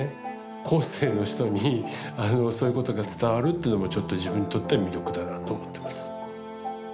後世の人にそういうことが伝わるっていうのもちょっと自分にとっては魅力だなと思ってます。